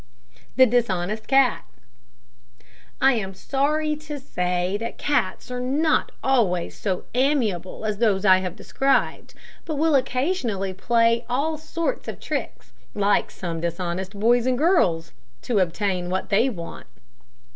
THE DISHONEST CAT. I am sorry to say that cats are not always so amiable as those I have described, but will occasionally play all sorts of tricks, like some dishonest boys and girls, to obtain what they want.